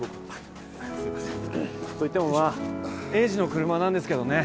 といってもまあ栄治の車なんですけどね。